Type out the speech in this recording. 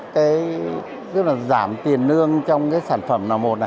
cái giảm tiền nương trong cái sản phẩm nào một này